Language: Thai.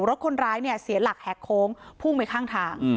รถคนร้ายเนี่ยเสียหลักแหกโค้งพุ่งไปข้างทาง